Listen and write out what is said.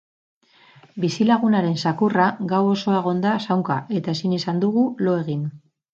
Bizilagunaren zakurra gau osoa egon da zaunka eta ezin izan dugu lo egin.